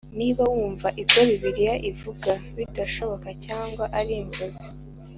Niba wumva ibyo Bibiliya ivuga bidashoboka cyangwa ari inzozi